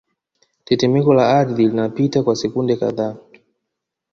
Tetemeko la ardhi linapita kwa sekunde kadhaa